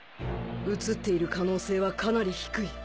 映っている可能性はかなり低い。